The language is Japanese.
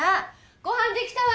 ご飯できたわよ。